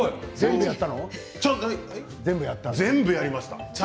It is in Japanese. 全部やりました。